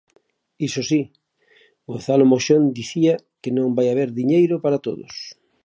Iso si, Gonzalo Moxón dicía que non vai haber diñeiro para todos.